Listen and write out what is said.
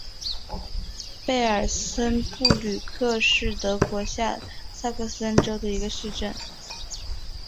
贝尔森布吕克是德国下萨克森州的一个市镇。